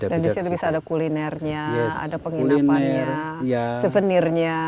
dan di sini bisa ada kulinernya ada penginapannya souvenirnya